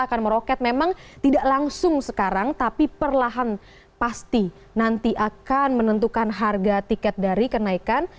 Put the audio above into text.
akan meroket memang tidak langsung sekarang tapi perlahan pasti nanti akan menentukan harga tiket dari kenaikan